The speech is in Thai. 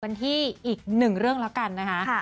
กันที่อีกหนึ่งเรื่องแล้วกันนะคะ